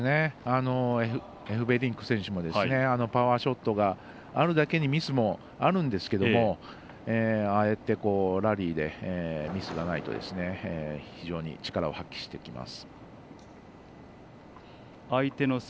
エフベリンク選手もパワーショットがあるだけにミスもあるんですけどああやってラリーでミスがないと非常に力を発揮してきます。